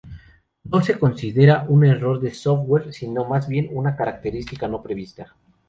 No se considera un error de "software", sino más bien una "característica no prevista".